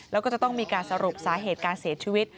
แล้วก็จะต้องมีการสรุปสาเหตุการเสียชีวิต